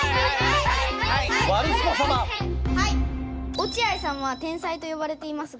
落合さんは天才とよばれていますが。